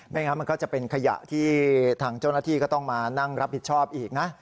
งั้นมันก็จะเป็นขยะที่ทางเจ้าหน้าที่ก็ต้องมานั่งรับผิดชอบอีกนะ